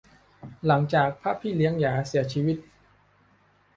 หลังจากพระพี่เลี้ยงหยาเสียชีวิต